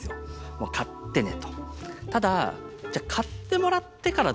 もう買ってねと。